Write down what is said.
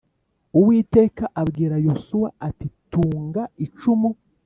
Uwiteka abwira yosuwa ati tunga icumu